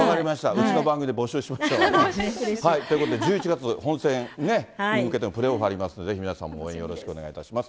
うちの番組で募集しましょう。ということで１１月、本戦に向けてのプレーオフありますんで、ぜひ皆さんも応援よろしくお願いいたします。